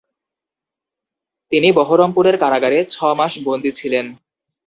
তিনি বহরমপুরের কারাগারে ছ-মাস বন্দি ছিলেন।